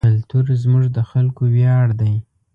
کلتور زموږ د خلکو ویاړ دی.